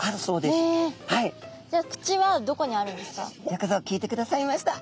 よくぞ聞いてくださいました。